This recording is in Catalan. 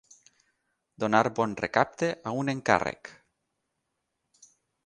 Donar bon recapte a un encàrrec.